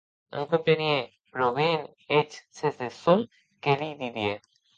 Non comprenie pro ben eth sens de çò que li didie.